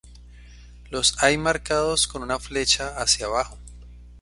los hay marcados con una flecha hacia abajo